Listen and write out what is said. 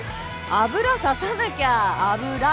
油ささなきゃ油。